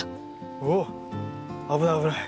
おおっ危ない危ない。